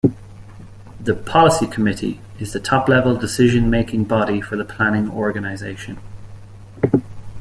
The "policy committee" is the top-level decision-making body for the planning organization.